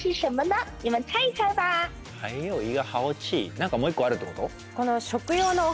何かもう一個あるってこと？